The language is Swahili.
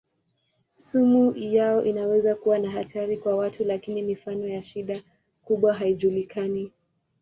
Sumu yao inaweza kuwa na hatari kwa watu lakini mifano ya shida kubwa haijulikani.